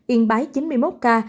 yên bái chín mươi một ca